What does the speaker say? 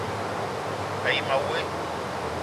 A yi ma woe :